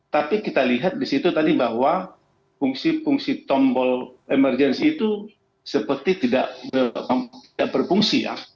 tapi kita lihat di situ tadi bahwa fungsi fungsi tombol emergensi itu seperti tidak berfungsi ya